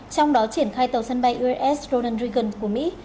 trong đó triển khai tàu sân bay uss ronald reagan của mỹ